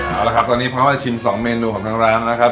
เอาละครับตอนนี้พร้อมมาชิม๒เมนูของทางร้านนะครับ